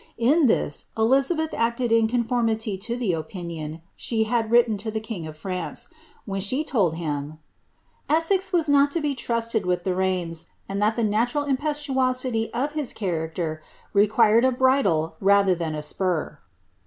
In this, Elizabnb acted in conformity lo the opinion she had written lo the king of FrMre, w lien she told him '■ Essex was not lo be trusted with the reins, and that the natural impetuosity of his character required a bridle raiber than a spur."